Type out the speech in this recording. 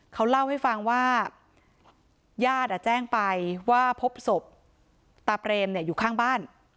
เขาเล่าให้ฟังว่าญาติแจ้งไปว่าพบศพตาเปรมอยู่ข้างบ้าน